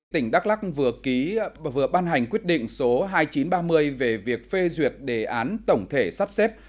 tỉnh đắk lắc vừa ban hành quyết định số hai nghìn chín trăm ba mươi về việc phê duyệt đề án tổng thể sắp xếp